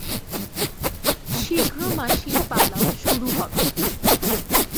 শীঘ্র মাসির পালাও শুরু হবে।